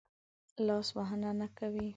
لاس وهنه نه کوي.